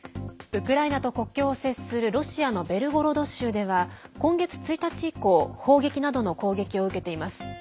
ウクライナと国境を接するロシアのベルゴロド州では今月１日以降砲撃などの攻撃を受けています。